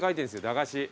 駄菓子。